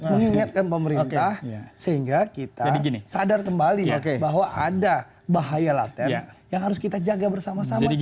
mengingatkan pemerintah sehingga kita sadar kembali bahwa ada bahaya laten yang harus kita jaga bersama sama